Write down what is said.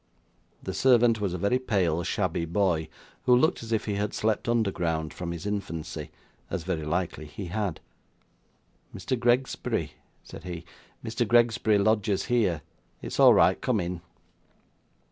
The servant was a very pale, shabby boy, who looked as if he had slept underground from his infancy, as very likely he had. 'Mr. Gregsbury?' said he; 'Mr. Gregsbury lodges here. It's all right. Come in!